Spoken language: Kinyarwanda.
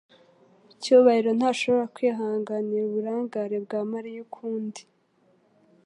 Cyubahiro ntashobora kwihanganira uburangare bwa Mariya ukundi.